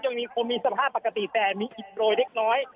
ยังมีคงมีสภาพปกติแต่มีอีกลกนิดน้อย